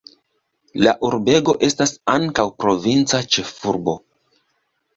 La urbego estas ankaŭ provinca ĉefurbo.